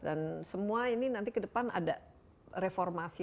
dan semua ini nanti ke depan ada reformasi